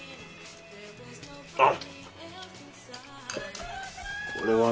あっ！